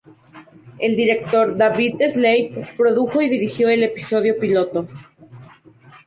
El director David Slade produjo y dirigió el episodio piloto.